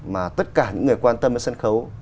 mà tất cả những người quan tâm đến sân khấu